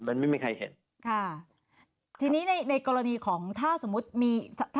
มันไม่มีใครเห็นค่ะทีนี้ในในกรณีของถ้าสมมุติมี